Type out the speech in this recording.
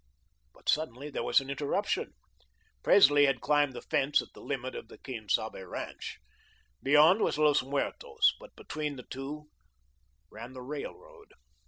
But suddenly there was an interruption. Presley had climbed the fence at the limit of the Quien Sabe ranch. Beyond was Los Muertos, but between the two ran the railroad.